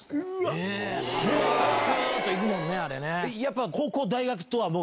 スっと行くもんねあれ。